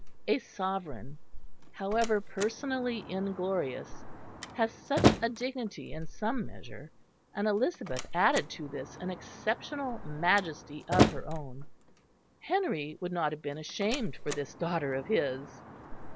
A sovereign, however personally inglorious, has such a dignity in some measure; and Elizabeth added to this an exceptional majesty of her own. Henry would not have been ashamed for this daughter of his.